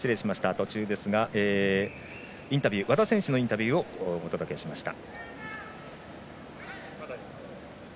途中ですが和田選手のインタビューをお届けしました。